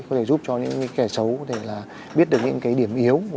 có thể giúp cho những kẻ xấu biết được những cái điểm yếu